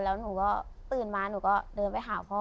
แล้วหนูก็ตื่นมาหนูก็เดินไปหาพ่อ